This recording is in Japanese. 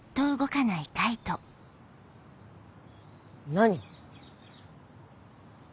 何？